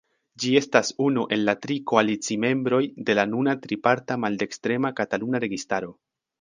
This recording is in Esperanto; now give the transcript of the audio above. Ĝi estas unu el la tri koalicimembroj de la nuna triparta maldekstrema kataluna registaro.